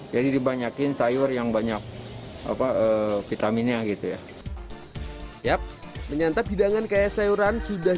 jadi dibanyakin sayur yang banyak apa vitaminnya gitu ya yap menyantap hidangan kayak sayuran sudah